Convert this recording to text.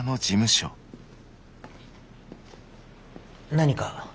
何か？